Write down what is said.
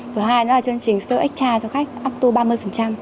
thứ hai đó là chương trình sale extra cho khách up to ba mươi